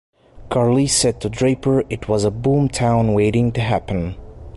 Carlise said that to Draper it was a boomtown waiting to happen.